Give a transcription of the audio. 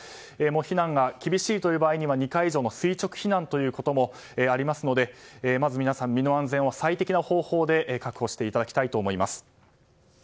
避難が厳しいという場合には２階以上への垂直避難ということもありますのでまず皆さん身の安全を最適な方法で確保していただきたいと思います。